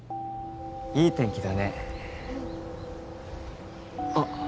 いい天気だねうんあっ